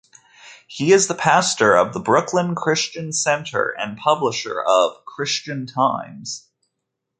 He is pastor of the Brooklyn Christian Center and publisher of "Christian Times"